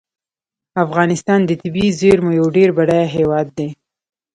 افغانستان د طبیعي زیرمو یو ډیر بډایه هیواد دی.